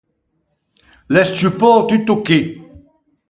L’é scciuppou tutto chì.